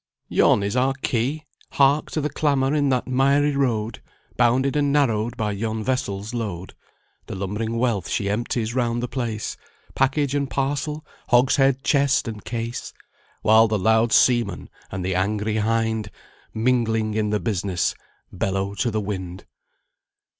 "Yon is our quay! Hark to the clamour in that miry road, Bounded and narrowed by yon vessel's load; The lumbering wealth she empties round the place, Package and parcel, hogshead, chest and case: While the loud seaman and the angry hind, Mingling in business, bellow to the wind."